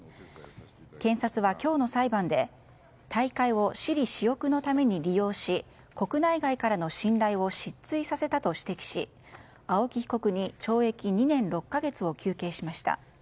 検察は今日の裁判で大会を私利私欲のために利用し国内外からの信頼を失墜させたと指摘し青木被告に懲役２年６か月を求刑しました。